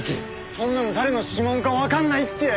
そんなの誰の指紋かわかんないって！